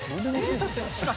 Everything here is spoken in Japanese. しかし、